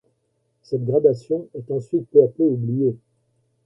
Cette gradation est ensuite peu à peu oubliée.